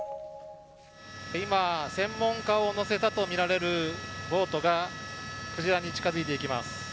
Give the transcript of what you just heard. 今、専門家を乗せたとみられるボートがクジラに近づいていきます。